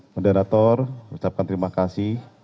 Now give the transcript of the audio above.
moderator ucapkan terima kasih